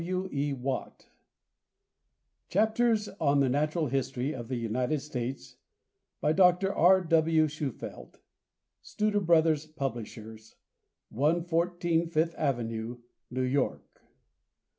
W. E. WATT. =Chapters on the Natural History of the United States.= By Dr. R. W. Shufeldt. Studer Brothers, Publishers, 114 Fifth avenue, New York.